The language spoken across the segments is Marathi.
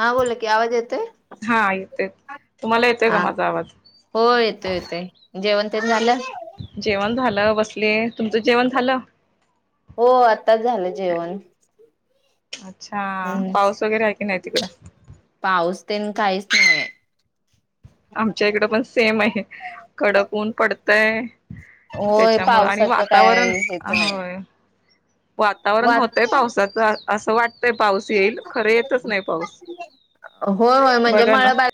हा बोला कि आवाज येतोय? हा येतोय तुम्हाला येतोय का हा माझा आवाज हो येतो येतोय जेवण. तेन झालं. जेवण झालं बस. हो आताच झालं जेवण. अच्छा हम्म पाऊस वगैरे आहे की नाही तिकडं. पाऊस तेन काहीच नाहीय. आमच्या इकड पण सेम आहे कडक ऊन पडतय होय त्याच्यामुळे आणि पावसाचं काय वातावरण हेच ह नाही. होय. वातावरण वात होतय पावसाचं असं वाटत. ते पाऊस येईल खरं येतच नाही पाऊस होय होय म्हणजे बघा ना. मळबाल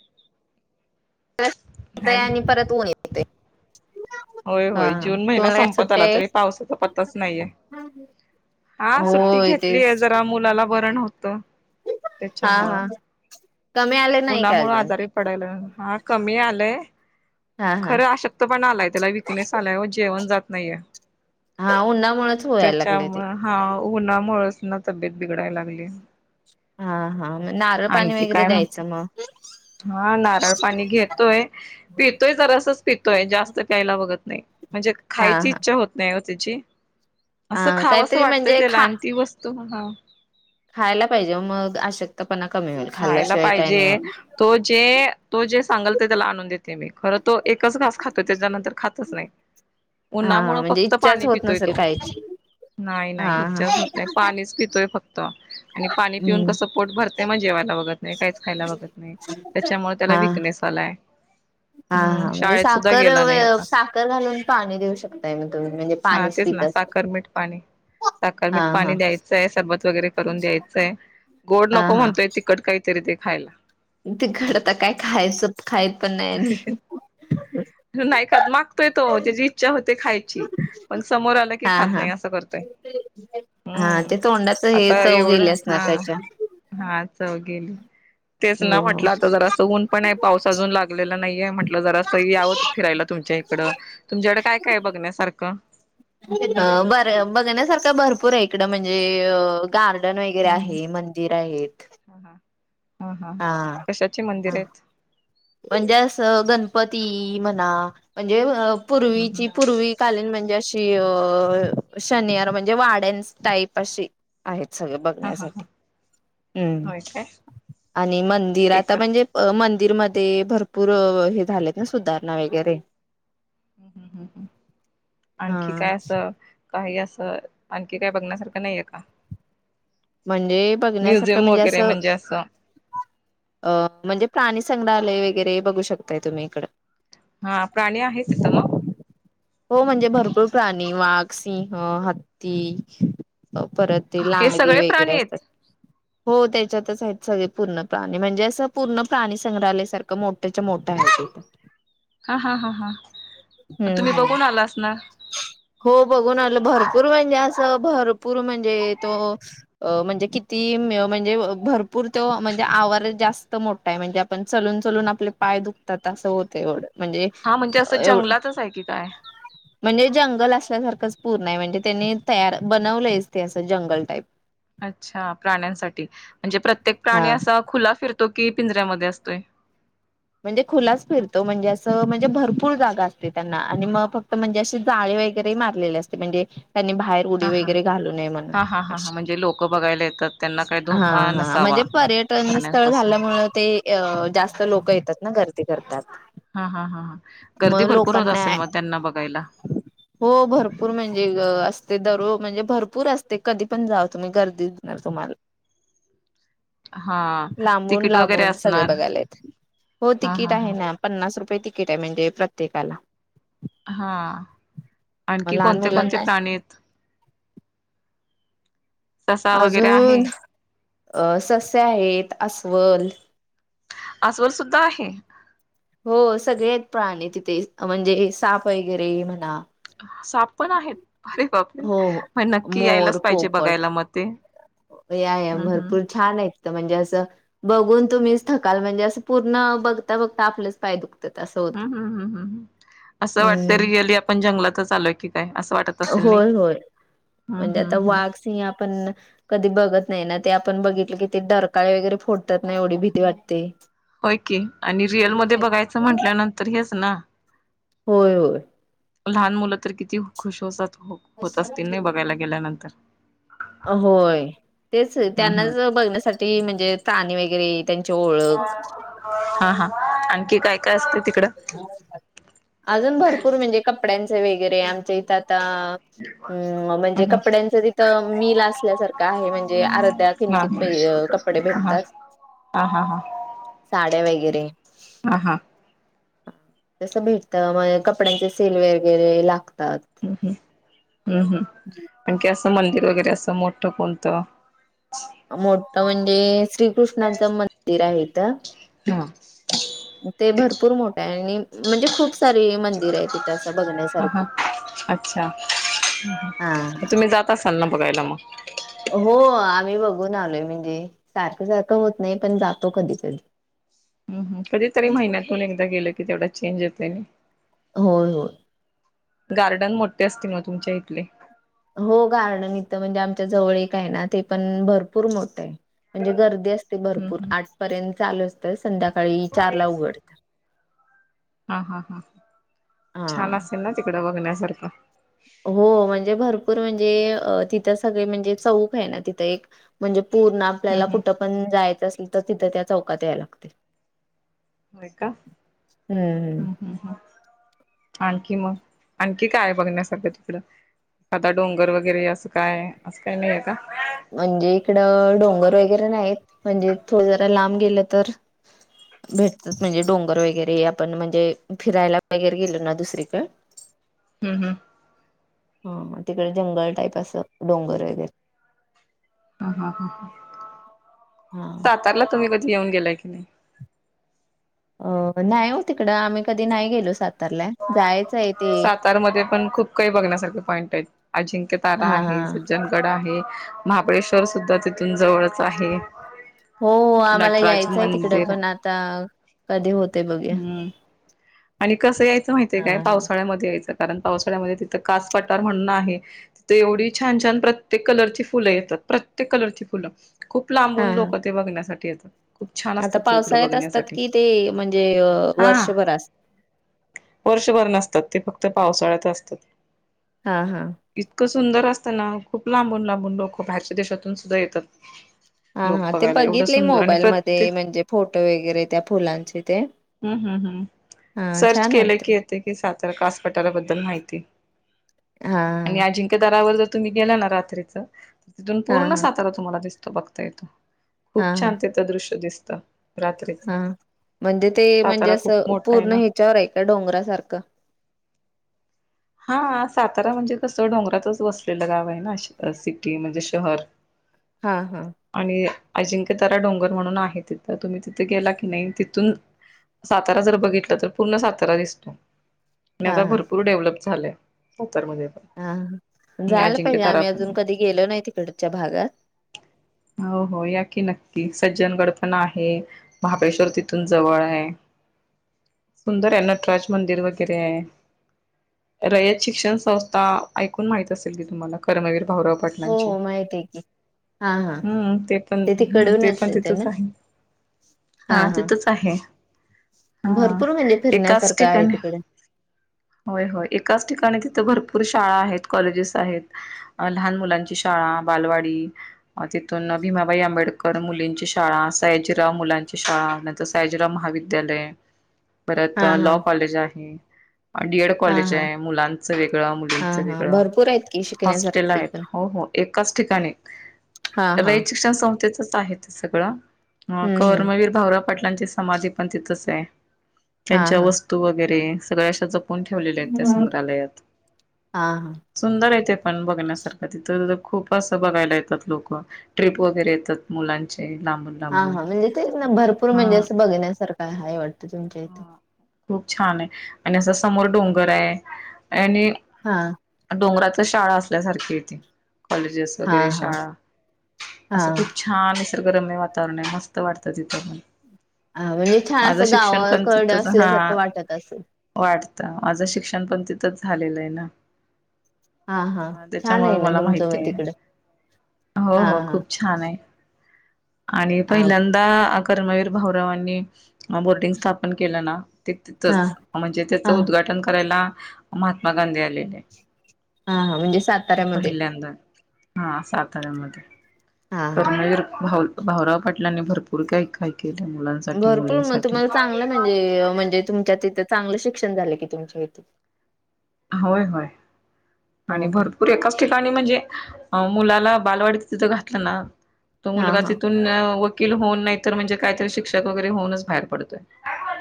येतय हॅलो आणि परत ऊन येतय. होय होय जून महिना संपत सुट्टी आला आहे? तरी पावसाचा पत्ताच नाहीये. हा सुट्टी होय घेतलीय तेच जरा मुलाला बरं न्हवतं. हा त्याच्यामुळं हा कमी आले नाही का उन्हामुळ अजून? आजारी पडायला हा कमी आलंय. हा हा खरं अशक्तपणा आलाय, त्याला विकनेस आलाय व जेवण जात नाहीये. हा उन्हामुळेच व्हायला लागले ते. त्याच्यामुळं हा उन्हा मुळसना तब्येत बिघडाय लागली. हा हा म नारळ पाणी आणखी वगैरे काय द्यायचं मग [inaudible] हा नारळ पाणी घेतोय पितोय जरासच पितोय जास्त प्यायला बघत नाही. म्हणजे हा खायची हा इच्छा होत नाही वो त्याची असं अ खावं असं काहीतरी वाटतंय म्हणजे त्याला खा आणि ती वस्तू हा. खायला पाहिजे मग अशक्त खायला पाहिजे तो जे तो जे सांगल. ते त्याला आणून देते मी खरं तो एकच घास खातो त्याच्यानंतर खातच नाही. हा हा उन्हामुळं म्हणजे फक्त इच्छाच पाणी होत पितोय नसेल तो. खायची नाही हा नाही हा इच्छाच होत नाही पाणीच पितोय फक्त आणि पाणी पिऊन हम्म कसं पोट भरतेय म्हणजे जेवायला बघत नाही, काही खायला बघत नाही त्याच्यामुळे त्याला हा विकनेस आलाय. हा हम्म हा म्हणजे शाळेत सुद्धा साखर गेला नाही आता साखर घालून पाणी देऊ शकताय मग तुम्ही म्हणजे पाणीच. पित असत साखरमीठ पाणी, हा साखरमीठ पाणी हा द्यायचंय, सरबत वगैरे करून द्यायचंय. गोड नको म्हणतोय तिखट काहीतरी दे खायला. ते घरच काय खायचं खाईत पण नाही आणि नाही खात मागतोय तो त्याची इच्छा होते खायची, पण समोर आला की हा खात हा नाही असं करतो. ते हा हुं ते तोंडाच हे आता चव गेली एवढं असणार हा, त्याच्या हा चव गेली. तेच हो ना हो म्हटलं आता जरासं ऊन पण आहे पाऊस अजून लाग. लेला नाहीये म्हटलं जरासं यावं फिरायला तुमच्या इकडं तुमच्याकड काय काय बघण्यासारखं? तेच बर बघण्यासारखं भरपूर आहे इकडं म्हणजे अ गार्डन वगैरे ह ह आहे, मंदिर आहेत. हा हा. हा हा कशाची मंदिर आहेत? म्हणजे असं गणपती म्हणा म्हणजे हं हं. पूर्वीची पूर्वी कालीन म्हणजे अशी शनियार म्हणजे वाड्यांनस टाईप अशी आहेत. सगळे हा हा ह बघण्यासाठी हुं. होय काय आणि मंदिर आता एक म्हणजे मन. मंदिरमध्ये भरपूर हे झालेत ना सुधारणा वगैरे. हा आणखी काय असं. काही असं आणखी काय बघण्यासारखं नाही आहे का म्हणजे बघण्यासारखं म्युझियम म्हणजे अस वगैरे असं अ म्हणजे प्राणी संग्रहालय वगरे बघू शकताय तुम्ही इकंड हा प्राणी आहेत तिथं मग हो म्हणजे भरपूर प्राणी वाघ, सिंह, हत्ती परत हे लांडगे सगळे वगैरे. गिरा प्राणी असतात. आहेत हो त्याच्यातच आहेत सगळे पूर्ण प्राणी म्हणजे असं पूर्ण प्राणी संग्रहालय सारखं मोठ्याच्या मोठ्या आहे. हो हा हा हा हा तुम्ही हम्म. बघून आलासनार हो बघून आलं भरपूर म्हणजे असं भरपूर म्हणजे तो. अ म्हणजे किती म्हणजे भरपूर तो म्हणजे आवार जास्त मोठा आहे म्हणजे आपण ून आपले पाय दुखतात असं होते एवढं म्हणजे हा म्हणजे असं एव जंगलातच आहे की काय म्हणजे. जंगल असल्यासारखंच पूरण हाय म्हणजे त्यांनी तयार बनवलंच ते असं जंगल टाईप अच्छा प्राण्यांसाठी म्हणजे प्रत्येक हा प्राणी असा खुला फिरत तो की पिंजऱ्यामध्ये असतोय म्हणजे खुलाच फिरतो म्हणजे असं म्हणजे भरपूर जागा असते त्यांना आणि मग फक्त म्हणजे अशी जा वगैरे मारलेले असते म्हणजे त्यांनी बाहेर उडी हा हा वगैरे घालू नये म्हणून हा हा हा हा म्हणजे लोक बघायला येतात त्यांना काही हा धोका हा म्ह नसावा जे पर्यटन स्थळ प्राण्यांपासून झाल्यामुळे ते हा जास्त हा हा लोक क येतात ना गर्दी करतात हा हा हा गर्दी मग भरपूर होत लोकांना असेल मग त्यांना बघा हो भरपूर म्हणजे असते दररोज म्हणजे भरपूर असते कधी पण जा तुम्ही गर्दीणार तुम्हाला हा लांबून तिकीट वगैरे लांबून सगळे असणार बघायलात हो हा तिकीट हा आहे हा ना पन्नास रुपये तिकीट आहे म्हणजे प्रत्येकाला हा मग आणखी लहान कोणते कोणते मुलांना प्राणीयेत ससा वगैरे आहे अजून अ सस्या आहेत अस्वल अस्वल सुद्धा आहे हो सगळ्यात प्राणी तिथे म्हणजे साप वगैरे म्हणा अ साप पण आहेत अरे! बापरे! हो मं हो नक्की मोर यायलाच पाहिजे पोपट बघायला म ते या या हम्म हम्म भरपूर छान आहेत म्हणजे असं बघून तुम्हीच थकाल म्हणजे असं पूर्ण बघता बघता आपलेच पाय द हम हम् हम् हम् हम असं वाटते हम्म रिअली आपण जंगलातच आलोय की काय असं वाटत असेल नाही होय होय हम्म म्हणजे हम्म आता हम्म वाघ सि आपण क बघत नाही ना ते आपण बघितलं की ते डरकाळे वगैरे फोडतात नाही एवढी भीती वाटते होय की आणि रिअलमध्ये बघायचं म्हंटल्यानंतर हेच ना होय होय लहान मुलं तर किती खुश होसात होत असतील नाही बघायला गेल्यानंतर होय तेच हम्म हम्म त्यांनाच बघण्यासाठी म्हणजे ताणी वगैरे त्यांची ओळख हा हा आणखी काय काय असते. तिकडं अजून भरपूर म्हणजे कपड्यांचे वगैरे आमच्या इथात ता अमं म्हणजे हम्म कपड्यांचं तिथं मिल असल्यासारखं आहे म्हणजे आर्ध्या हम्म कपडे हा हा भेटतात हा हा साड्या वगैरे हा हा. तसं भेटत म कपड्यांचे सेल वगैरे लागतं. हम् हम् हम्म हम् पण की असं मंदिर वगैरे. कसं मोठं कोणतं. मोठ म्हणजे श्रीकृष्णाचं मंदिर आहे इथं. ह. ते भरपूर मोठा आहे आणि म्हणजे खूप स सारी मंदिर आहे तिथं असं हा हा बघण्यासारखी. अच्छा हा तुम्ही जात असाल ना बघायला मग. हो आम्ही बघून आलोय म्हणजे सारखं सारखं होत नाही पण जातो कधी कधी. हम् हम कधीतरी महिन्यातून एकदा गेलं की तेवढा चेंज येतोय नाही. होय होय. गार्डन मोठे असतील मग तुमच्या इथले. हो गार्डन इथं म्हणजे आमच्या जवळ एकाय ना ते पण भरपूर मोठं आहे. म्हणजे गर्दी असते हम्म भरपूर हम्म आठ पर्यंत चालू असतं संध्याकाळी चार ला उघडत. हां हां हां हा. छान असेल ना तिकडं बघण्यासारखं. हो म्हणजे भरपूर म्हणजे तिथं सगळे म्हणजे चौक आहे, ना तिथं एक म्हणजे पूर्ण आपल्याला कुठं पण जायचं असेल तर तिथं त्या चौकात याय लागते. होय का हम्म हम्म. ह् ह् ह् आणखी मग? आणखी काय बघण्यासारखं तिकड आता डोंगर वगैरे असं काय असं काय नाही आहे का? म्हणजे इकडं डोंगर वगैरे नाहीत म्हणजे थोड जरा लांब गेलं तर भेटतच म्हणजे डोंगर वगैरे आपण म्हणजे फिरायला वगैर गेलो ना दुसरीकडे हम्म हम्म. हां तिकडे जंगल टाईप असं डोंगर वगैरे. ह ह हा सातारला तुम्ही कधी येऊन गेलाय की नाही? अ नाही हो तिकडं आम्ही कधी नाही गेलो सात जायचं आहे एक सातार मध्ये पण खूप काही बघण्यासारखे पॉइंट आहेत, अजिंक्य तारा हा हा आहे. सज्जनगड आहे. महाबळेश्वर सुद्धा तिथून जवळच आहे. हो आम्हाला नटराज यायचंय तिकड मंदिर पण आता कधी होते बघूया. हम्म आणि कसं यायचं माहितीय काय हा हा पावसाळ्यामध्ये यायचं. कारण पावसाळ्या तिथ कास पटार म्हण आहे तिथ एवढी छान छान प्रत्येक कलर ची फुल आहेत. प्रत्येक कलरची फुलं खूप लांबून हा लोक ते बघण्यासाठी येतात. खूप छान आता असतात तिकडं पावसाळ्यात असतात बघण्यासाठी कि ते म्हणजे हा. वर्षभर असत. वर्षभर नसतात. ते फक्त पावसाळ्यात असतात. हां हां हां. इतकं सुंदर असताना खूप लांबून लांबून लोक भाह्यारच्या देशातून सुद्धा येतात. हां लोक हां ते बघायला एवढं बघितले सुंदर आणि मोबाईल मध्ये प्रत्येक म्हणजे फोटो वगैरे त्या फुलांचे ते. हम्म हम् हम्. हां छान! केले वाटते की येते की सातारा कास पटाराबद्दल माहिती. हा आणि अजिंक्य दरावर जर तुम्ही गेला ना रात्रीच तिथून हा हा पूर्ण हा सातारा तुम्हाला दिसतं. बघता येतो हा खूप हा छान तथं दृश्य दिसतं. रात्रीच हा म्हणजे ते म्हणजे सातारा खूप असं मोठा आहे पूर्ण ना ह्याच्यावर आहे का डोंगरा सार का? हा सातारा म्हणजे कसं डोंगरातच वसलेलं गाव आहे ना सिटी म्हणजे शहर. हां हा! अजिंक्य तारा डोंगर म्हणून आहे तिथं तुम्ही तिथे गेला की नाही तिथून सातारा जर बघितलं तर पूर्ण सातारा दिसतो. आणि आता भरपूर डेव्हलप झालंय. हां जायला पाहिजे अजिंक्यतारा आम्ही अजून पण कधी गेलो नाही तिकडच्या भागात. हो. हो. या की नक की सज्जनगड पण आहे, महाबळेश्वर तिथून जवळय. सुंदर आहे नटराज मंदिर वगैरेये. रयत शिक्षण संस्था ऐकून माहित असेल की, तुम्हाला कर्मवीर भाऊराव हो पाटलांची हो माहित आहे की हा हा हम्म ते पण हम्म ते तिकडूनच पण येते ना तिथलच आहे. हा तिथचं आहे. हा भरपूर म्हणजे एकाच फिरण्यासारखं आहे ठिकाणी तिकडे. होय होय एकाच ठिकाणी तिथे भरपूर शाळा आहेत, कॉलेजेस आहेत अ लहान मुलांची शाळा बालवाडी. अ तिथून भीमाबाई आंबेडकर मुलींची शाळा, सायाजीराव मुलांची शाळा नाहीतर सायाजीराव महाविद्यालय परत हा हा लॉ कॉलेज आहे डीएड हा कॉलेज हा हाय मुलांचं वेगळं, हा मुलींचं हा वेगळं. भरपूर आहेत की हॉस्टेल शिकण्यासारखी आहेत, पण हो हो एकाच ठिकाणी हा हा रयत शिक्षण संस्थच आहे ते सगळं अ हम्म हम्म कर्मवीर भाऊराव पाटलांची समाधी पणं तिथंचये. हा त्यांच्या हा वस्तू वगैरे सगळ्या अशा जपून ठेवलेल्या आहेत. त्या हा संग्रहालयात हा सुंदर ये ते पण बघण्या सारखं तिथ अ खूप असं बघायला येतात लोकं, ट्रिप वगैरे येतात मुलांची. हा हा म्हणजे तेच ना भरपूर हा म्हणजे, असं बघण्यासारखं हाय वाटते तुमच्या इथ. हा खूप छान आहे आणि असं समोर डोंगर हाय आणि हा. डोंगरातच शाळा असल्यासारखी ये ती. कॉलेजेस हा वगैरे हा शाळां हा असं खूप छान अस [unintelligible] गरम नाइ वातावरण आहे, मस्त वाटतं तीथं पणं. हा म्हणजे छान माझं असं शिक्षण पणं गावाकड तिथंच हा असल्यासारखं वाटत असेल. वाट त माझं शिक्षण पणं तिथंच झालेलंय ना. हा छान आहे त्यांच्यामुळे ना मला तुमचं मग माहिती आहे. तिकडं हो हा हो हा खूप छान आहे. आणि हा पहिल्यांदा कर्मवीर भाऊरावांनी अ बोर्डिंग स्थापन केलं ना ते हा तीथच अ म्हणजे हा त्याचं उद्घाघाटन करायला महात्मा गांधी आलेले हा हा म्हणजे साताऱ्यामध्ये. पहिल्यांदा हा साताऱ्यामध्ये हा हा कर्मवीर भाऊ भाऊराव पाटलांने भरपूर काही काहीक भरपूर म तुम्हाला चांगलं म्हणजे अ म्हणजे तुमच्या तिथं चांगलं शिक्षण झाले की तुमच्या ईथे. होय होय आणि हो भरपूर एकाच ठिकाणी म्हणजे अ मुलाला बालवाडीत तिथं घातला ना तो हा मुलगा हा तिथून अ उ किल हून नाहीतर म्हणजे काहीतरी शिक्षक वगैरे होउनच बाहेर पडतोय.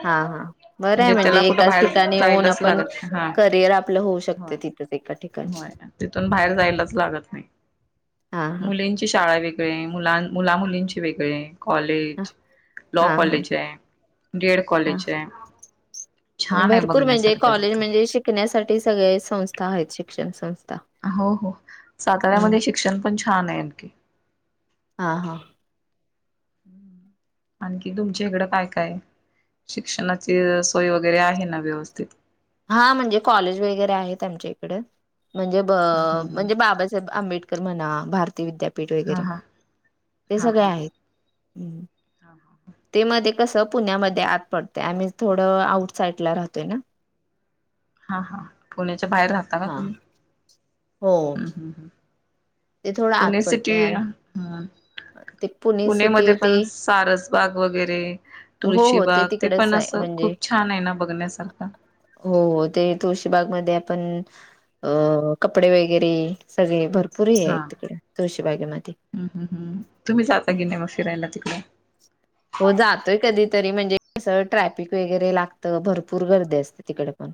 हा हा बरंये त्याला म्हणजे कुठं एकाच बाहेर ठिकाणीं येऊन जायलाच आपणं लागत नाही हा करिअर आपलं होऊ होय शकते ति तस एका ठीक होय तिथून बाहेर जायलाच लागत नाही हा हा मुलींची शाळा वेग ळी मुलां मुलामुलींची वेगळी हा कॉलेज लॉ हा हा कॉलेजये डीएड हा कॉलेजये आहे. [unintelligible] छान आहे भरपूर म्हणजे बघण्यासारखं कॉलेज तिथं म्हणजे शिकण्यासाठी सगळे संस्था हायेत शिक्षण संस हो हो, साताऱ्यामध्ये शिक्षण पण छानय अगदी. हा हा. आणखी तुमच्या इकडं काय काय? शिक्षणाची सोय वगैरे आहेना व्यवस्थित. हा म्हणजे कॉलेज वगैरे आहेत आमच्या इकडं. म्हणजे ब हं हं म्हणजे हं बाबासाहेब आंबेडकर म्हणा भारतीय विद्यापीठ हां हां व स हां हां हां हां कस पुण्यामध्ये आत पडत आम्ही थोडं आउट साइड ला राहतोय ना हा हा पुण्याच्या बाहेर राहता का हा तुम्ही हो हं हं हं ते थोडं आत पुणे सिटी पडते ते पुणे म सिटी ते पण सारसबाग वगैरे हो हो तुळशीबाग ते पण तिकडच अस आहे असं म्हणजे खूप छान आहे ना बघण्यासारखं हो ते तुळशीबाग म आपण अ कपडे वगैरे सगळे भरपूर हां पुरीयत किड तुळशीबागे मध्ये हं हं हं तुम्ही जाता की नाही मग फिरायला तिकडे हो जातोय कधीतरी म्हणजे स ट्रॅफिक वगैरे लागतं भरपूर गर्दी असते तिकडे पण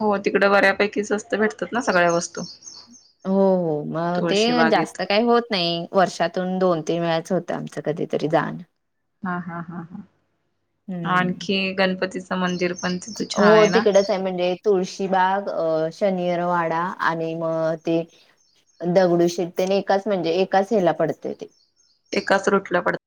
हो तिकडं बऱ्यापैकी स्वस्त भेटतात ना सग्या वस्तू हो हो मग ते तुळशी बागेत जास्त काही होत नाही वर्षातून दोन तीन वेळाच हो आमचं कधीतरी दान हा हा हा हा हम्म. आणखी गणपती हो तिकडच आहे म्हणजे तुळशीबाग अ शनिरवाडा आणि मग ते दगडू शिकते आणि एकाच म्हणजे एकाच हे्याला पडते ते एकाच रुटल्या पडत